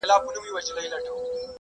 زه به سبا کالي وچوم؟